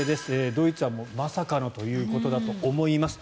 ドイツはまさかのということだと思います。